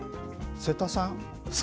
瀬田さん。